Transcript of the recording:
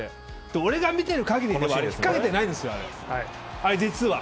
俺が見てる限りではひっかけてないですよ。